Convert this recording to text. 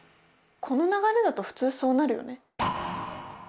この流れだと普通そうなるよね。